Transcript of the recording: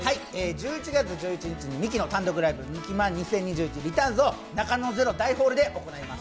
１１月１１日にミキの単独ライブ、ミキ漫２０２１リターンズをなかのＺＥＲＯ大ホールで行います。